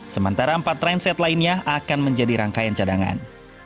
sementara empat trainset lainnya akan menjadi rangkaian cadangan